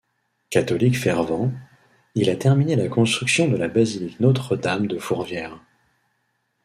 Catholique fervent, il a terminé la construction de la basilique Notre-Dame de Fourvière.